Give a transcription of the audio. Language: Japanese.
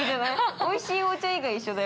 おいしいお茶以外一緒だよ。